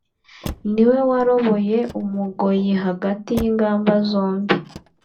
Ni we waroboye Umugoyi hagati y’ingamba zombi